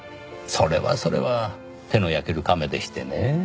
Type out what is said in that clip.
それはそれは手の焼ける亀でしてねぇ。